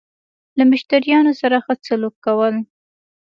له مشتريانو سره خه سلوک کول